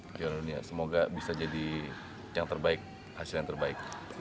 kejuaraan dunia semoga bisa jadi yang terbaik hasil yang terbaik